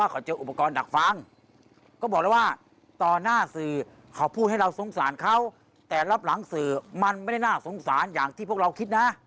เขาพูดให้เราสงสารเขาแต่รับหลังสือมันไม่ได้น่าสงสารอย่างที่พวกเราคิดนะ